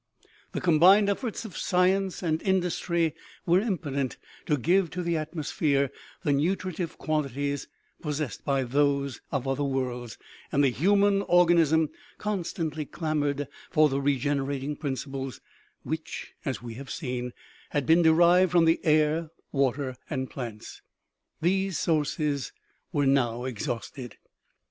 The combined efforts of science and industry were im potent to give to the atmosphere the nutritive qualities possessed by those of other worlds, and the human organ ism constantly clamored for the regenerating principles which, as we have seen, had been derived from the air, water and plants. These sources were now exhausted.